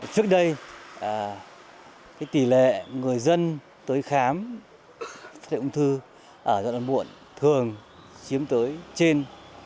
trước đây tỷ lệ người dân tới khám phát hiện ung thư ở dọn đoạn muộn thường chiếm tới trên bảy